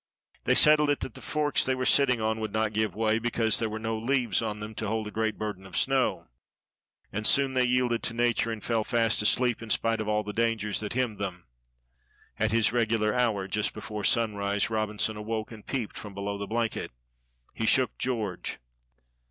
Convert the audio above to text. They settled it that the forks they were sitting on would not give way, because there were no leaves on them to hold a great burden of snow; and soon they yielded to nature and fell fast asleep in spite of all the dangers that hemmed them. At his regular hour, just before sunrise, Robinson awoke and peeped from below the blanket. He shook George.